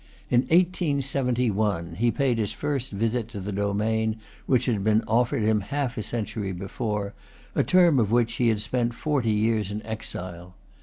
In 1871 he paid his first visit to the domain which had been offered him half a century before, a term of which he had spent forty years in exile.